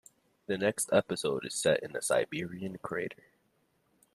The next episode is set in a Siberian crater.